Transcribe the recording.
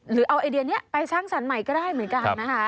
หรือเอาไอเดียนี้ไปสร้างสรรค์ใหม่ก็ได้เหมือนกันนะคะ